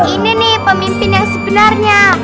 ini nih pemimpin yang sebenarnya